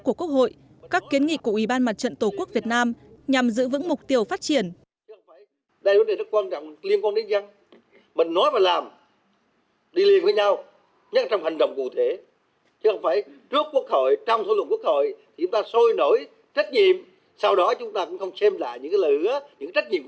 của quốc hội các kiến nghị của ủy ban mặt trận tổ quốc việt nam nhằm giữ vững mục tiêu phát triển